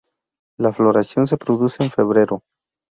La floración se produce en febrero.